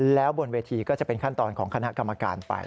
แล้วบนเวทีก็จะเป็นขั้นตอนของคณะกรรมการไป